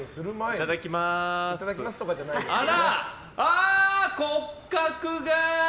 いただきますとかじゃないですけどね。